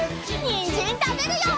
にんじんたべるよ！